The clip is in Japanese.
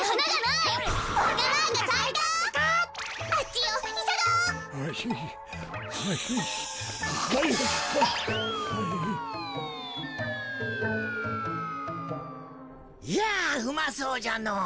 いやうまそうじゃのう。